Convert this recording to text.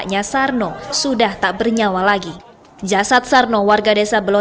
yang kemudian melaporkannya ke polsek bendo